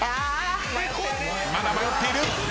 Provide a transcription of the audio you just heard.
まだ迷っている。